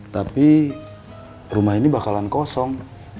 tapi rumah ini bakalan kosong